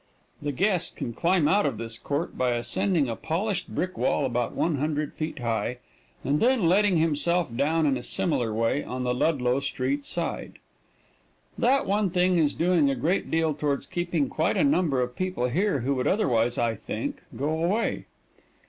The guest can climb out of this court by ascending a polished brick wall about 100 feet high, and then letting himself down in a similar way on the Ludlow street side. That one thing is doing a great deal towards keeping quite a number of people here who would otherwise, I think, go away.